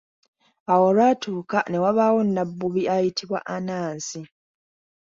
Awo olwatuuka, ne wabaawo nabbubi ayitibwa Anansi.